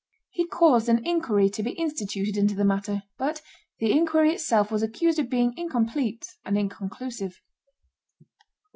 He caused an inquiry to be instituted into the matter; but the inquiry itself was accused of being incomplete and inconclusive.